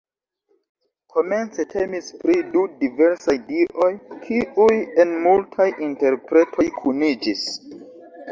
Komence temis pri du diversaj dioj, kiuj en multaj interpretoj kuniĝis.